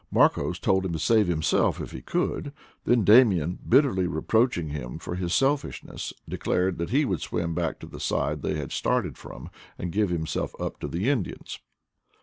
Marcos told him to save himself if he could; then Damian, bitterly reproaching him for his selfish ness, declared that he would swim back to the side they had started from and give himself up to the Indians.